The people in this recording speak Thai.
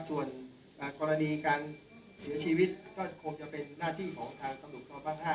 ส่วนอ่ากรณีการเสียชีวิตก็คงจะเป็นหน้าที่ของทางตำหนุ่มตรงบ้านห้า